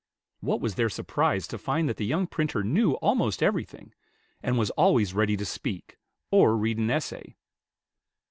What was their surprise to find that the young printer knew almost every thing, and was always ready to speak, or read an essay.